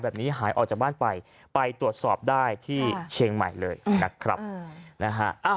แบบนี้หายออกจากบ้านไปไปตรวจสอบได้ที่เชียงใหม่เลยนะครับนะฮะ